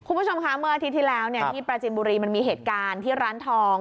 คุณผู้ชมคะเมื่ออาทิตย์ที่แล้วที่ปราจินบุรีมันมีเหตุการณ์ที่ร้านทอง